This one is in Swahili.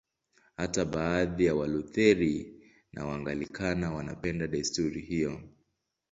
Hata baadhi ya Walutheri na Waanglikana wanapenda desturi hiyo.